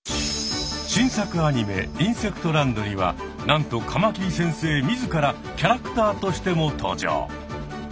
新作アニメ「インセクトランド」にはなんとカマキリ先生自らキャラクターとしても登場。